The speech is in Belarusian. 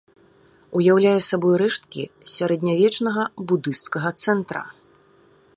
Уяўляе сабою рэшткі сярэднявечнага будысцкага цэнтра.